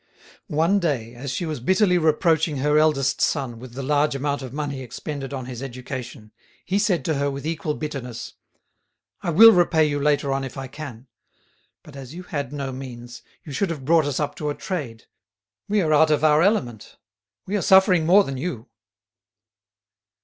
One day, as she was bitterly reproaching her eldest son with the large amount of money expended on his education, he said to her with equal bitterness, "I will repay you later on if I can. But as you had no means, you should have brought us up to a trade. We are out of our element, we are suffering more than you."